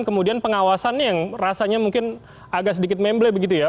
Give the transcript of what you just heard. kemudian pengawasannya yang rasanya mungkin agak sedikit memble begitu ya